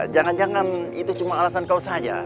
jangan jangan itu cuma alasan kau saja